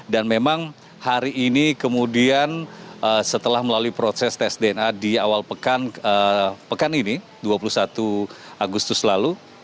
dan memang hari ini kemudian setelah melalui proses tes dna di awal pekan ini dua puluh satu agustus lalu